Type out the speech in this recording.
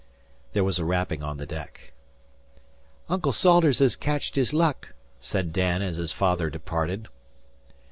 There was a rapping on the deck. "Uncle Salters has catched his luck," said Dan as his father departed.